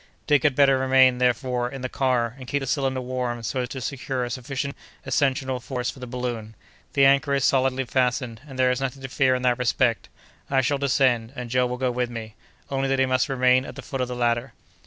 Dick had better remain, therefore, in the car, and keep the cylinder warm so as to secure a sufficient ascensional force for the balloon. The anchor is solidly fastened, and there is nothing to fear in that respect. I shall descend, and Joe will go with me, only that he must remain at the foot of the ladder."